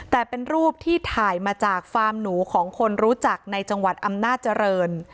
แต่เป็นรูปที่ถ่ายมาจากฟาร์มหนูของคนรู้จักในจังหวัดอำนาจริง